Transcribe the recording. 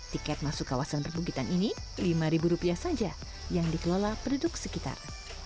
tiket masuk kawasan perbukitan ini rp lima saja yang dikelola penduduk sekitar